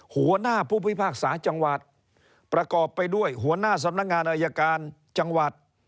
หัวหน้าผู้พิพากษาจังหวัดประกอบไปด้วยหัวหน้าสำนักงานอายการจังหวัด